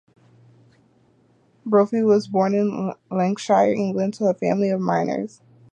Brophy was born in Lancashire, England to a family of miners.